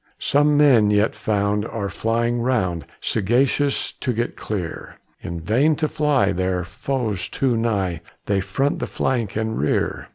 Some men yet found are flying round Sagacious to get clear; In vain to fly, their foes too nigh! They front the flank and rear.